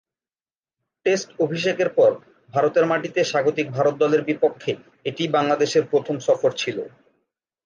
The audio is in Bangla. টেস্ট অভিষেকের পর ভারতের মাটিতে স্বাগতিক ভারত দলের বিপক্ষে এটিই বাংলাদেশের প্রথম সফর ছিল।